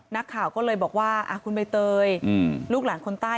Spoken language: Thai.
นักข่าวก็เลยบอกว่าคุณใบเตยลูกหลานคนใต้